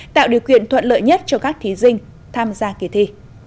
tạo điều kiện thuận lợi nhất cho các thí sinh tham gia kỳ thi